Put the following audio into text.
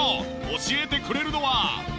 教えてくれるのは。